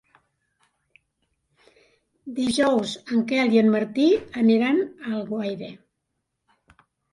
Dijous en Quel i en Martí aniran a Alguaire.